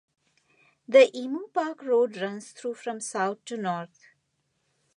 The Emu Park Road runs through from south to north.